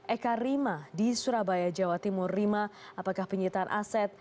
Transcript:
eka rima di surabaya jawa timur rima apakah penyitaan aset